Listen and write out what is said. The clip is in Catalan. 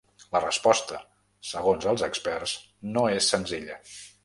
La resposta, segons els experts, no és senzilla.